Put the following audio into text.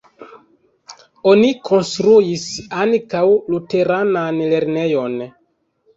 Oni konstruis ankaŭ luteranan lernejon.